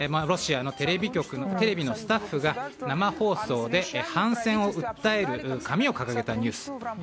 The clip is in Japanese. ロシアのテレビのスタッフが生放送で反戦を訴える紙を掲げたニュース。